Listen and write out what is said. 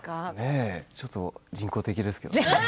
ちょっと人工的ですけれども。